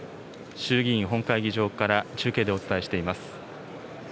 衆議院本会議場から中継でお伝えしています。